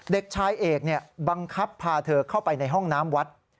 เด็กชายเอกบังคับพาเธอเข้าไปในห้องน้ำวัด